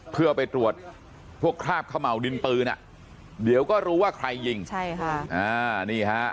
เพื่อไปตรวจพวกคราบเขม่าวดินปืนอ่ะเดี๋ยวก็รู้ว่าใครยิงใช่ค่ะอ่านี่ฮะ